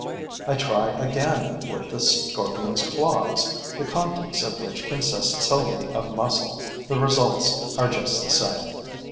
I try again with the scorpion's claws, the contents of which consist solely of muscle. The results are just the same.